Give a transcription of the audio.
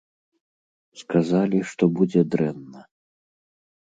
Сказалі, што будзе дрэнна.